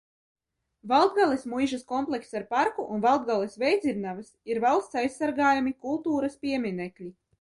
Valdgales muižas komplekss ar parku un Valdgales vējdzirnavas ir valsts aizsargājami kultūras pieminekļi.